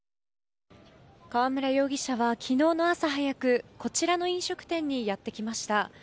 河村容疑者は昨日の朝早くこちらの飲食店にやってきました。